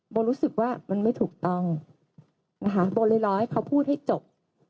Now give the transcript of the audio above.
รู้สึกว่ามันไม่ถูกต้องนะคะโบเลยรอให้เขาพูดให้จบ